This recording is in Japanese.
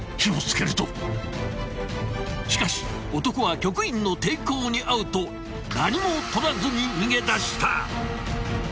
［しかし男は局員の抵抗にあうと何も取らずに逃げ出した］